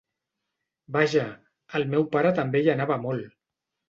Vaja, el meu pare també hi anava molt.